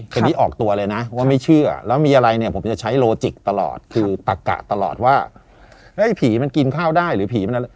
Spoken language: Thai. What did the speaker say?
คนนี้ออกตัวเลยนะว่าไม่เชื่อแล้วมีอะไรเนี่ยผมจะใช้โลจิกตลอดคือตะกะตลอดว่าเฮ้ยผีมันกินข้าวได้หรือผีมันอะไร